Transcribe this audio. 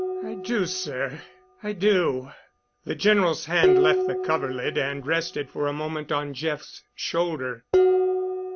"I do, sir—I do." The General's hand left the coverlid and rested for a moment on Jeff's shoulder.